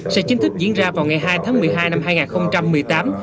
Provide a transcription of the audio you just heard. sẽ chính thức diễn ra vào ngày hai tháng một mươi hai năm hai nghìn một mươi tám